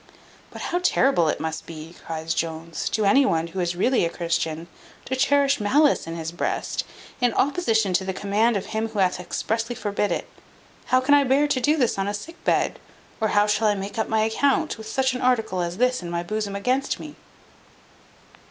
"But how terrible must it be," cries Jones, "to any one who is really a Christian, to cherish malice in his breast, in opposition to the command of Him who hath expressly forbid it? How can I bear to do this on a sick bed? Or how shall I make up my account, with such an article as this in my bosom against me?"